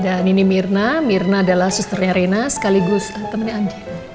dan ini mirna mirna adalah susternya rina sekaligus temennya anjing